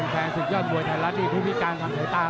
แฟนศึกยอดมวยไทยรัฐนี่ผู้พิการทางสายตา